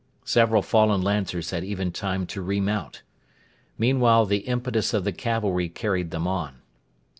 Several fallen Lancers had even time to re mount. Meanwhile the impetus of the cavalry carried them on.